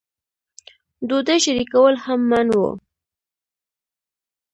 ډوډۍ شریکول هم منع وو.